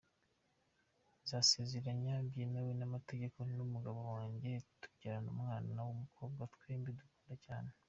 Nasezeranye byemewe n’ amategeko n’ umugabo wanjye tubyarana umwana w’ umukobwa twembi dukunda cyane.